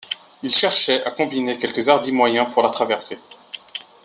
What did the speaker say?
Il cherchait à combiner quelque hardi moyen pour la traverser.